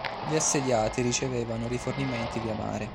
Gli assediati ricevevano rifornimenti via mare.